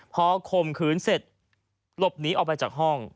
พอข่มขืนเสร็จหลบหนีออกไปจากห้อง